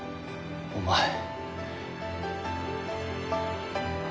お前。